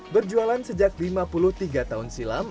berjualan sejak lima puluh tiga tahun silam